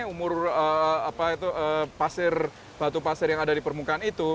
umur batu pasir yang ada di permukaan itu